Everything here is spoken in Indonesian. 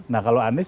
nah kalau anies